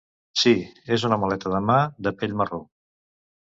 Si, es una maleta de mà de pell marró.